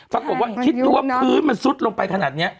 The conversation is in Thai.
คิดว่าคิดดูว่าพื้นมันซุดลงไปขนาดนี้